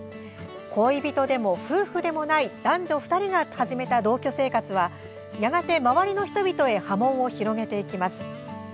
恋人でも夫婦でもない男女２人が始めた同居生活はやがて周りの人々へ波紋を広げていきます。